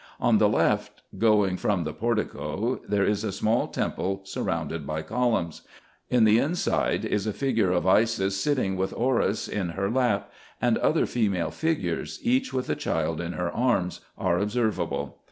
On the left, going from the portico, there is a small temple surrounded by columns. In the inside is a figure of Isis sitting with Orus in her lap, and other female figures, each with a child in her arms, are observable.